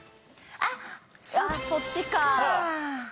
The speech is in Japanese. あっそっちか。